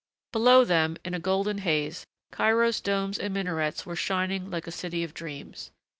Below them, in a golden haze, Cairo's domes and minarets were shining like a city of dreams.